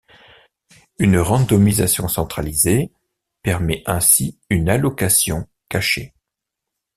Une randomisation centralisée permet ainsi une allocation cachée.